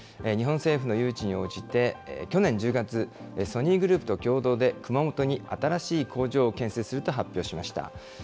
日本政府の誘致に応じて、去年１０月、ソニーグループと共同で、熊本に新しい工場を建設すると発表しました。